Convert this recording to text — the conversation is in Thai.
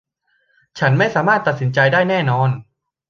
ฉันไม่สามารถตัดสินใจได้แน่นอน